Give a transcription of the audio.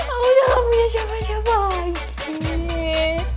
aku jangan punya cewa cewa lagi